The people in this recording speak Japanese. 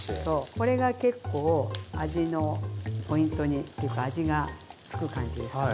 これが結構味のポイントにというか味が付く感じですかね。